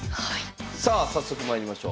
さあ早速まいりましょう。